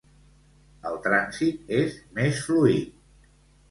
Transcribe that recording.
El trànsit és més fluid.